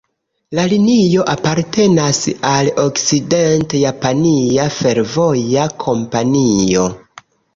La linio apartenas al Okcident-Japania Fervoja Kompanio.